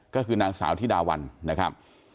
ก็คือนางสาวธิดาวันนะครับ